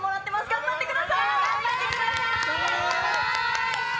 頑張ってください！